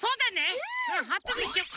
ハトにしようか。